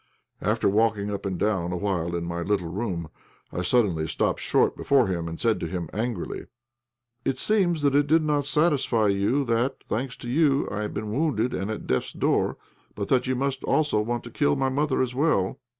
After walking up and down awhile in my little room, I suddenly stopped short before him, and said to him, angrily "It seems that it did not satisfy you that, thanks to you, I've been wounded and at death's door, but that you must also want to kill my mother as well."